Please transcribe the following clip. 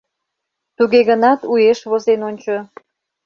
Туге гынат уэш возен ончо.